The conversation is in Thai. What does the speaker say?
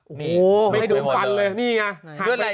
โอ้โหไม่โดนฟันเลยนี่ไง